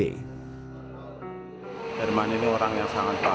herman sikumbang juliana mukhtar sabtu lalu